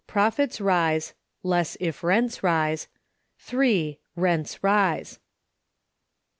Profits rise (less if rents rise). (3.) Rents rise.